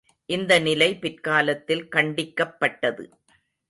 இந்த நிலை பிற்காலத்தில் கண்டிக்கப்பட்டது.